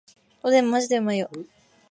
おでんマジでうまいよ